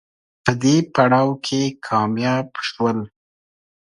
په دې پړاو کې کامیاب شول